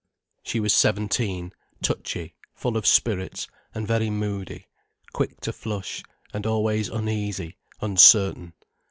She was seventeen, touchy, full of spirits, and very moody: quick to flush, and always uneasy, uncertain.